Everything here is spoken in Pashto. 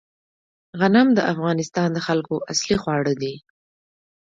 غنم د افغانستان د خلکو اصلي خواړه دي